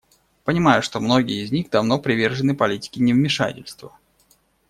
Понимаю, что многие из них давно привержены политике невмешательства.